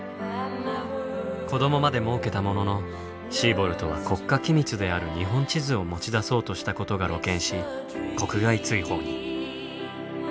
子どもまでもうけたもののシーボルトは国家機密である日本地図を持ち出そうとしたことが露見し国外追放に。